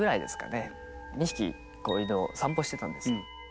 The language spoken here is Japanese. ２匹犬を散歩してたんですよ。